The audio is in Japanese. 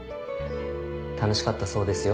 楽しかったそうですよ。